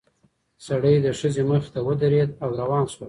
سړی د ښځې مخې ته ودرېد او روان شول.